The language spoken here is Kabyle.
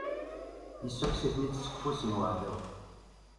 Issukkes-iten-id seg ufus n uɛdaw.